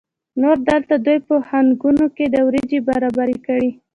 نور دلته دوی په خانکونو کې وریجې برابرې کړې.